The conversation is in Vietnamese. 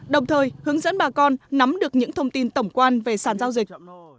đồng thời hướng dẫn bà con nắm được những thông tin tổng quan về sản giao dịch